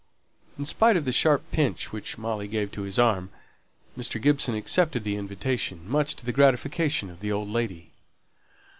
In spite of the sharp pinch which Molly gave to his arm, Mr. Gibson accepted the invitation, much to the gratification of the old lady.